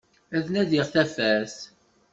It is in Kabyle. Ad nadiγ tafat.